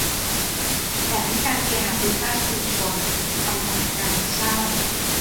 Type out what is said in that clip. แบบให้การเคหะไปสร้างชุมชน ทำสำนักงานให้เช่า